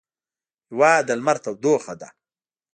هېواد د لمر تودوخه ده.